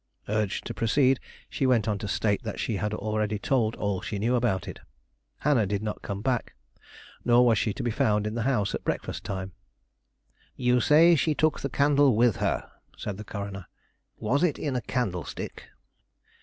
Urged to proceed, she went on to state that she had already told all she knew about it. Hannah did not come back, nor was she to be found in the house at breakfast time. "You say she took a candle with her," said the coroner. "Was it in a candlestick?"